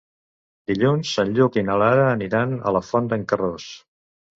Dilluns en Lluc i na Lara aniran a la Font d'en Carròs.